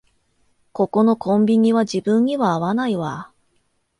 ここのコンビニは自分には合わないわ